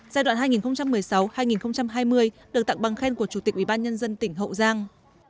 giai đoạn hai nghìn một mươi sáu hai nghìn hai mươi được tặng bằng khen của chủ tịch ubnd tỉnh hậu giang